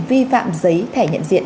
vi phạm giấy thẻ nhận diện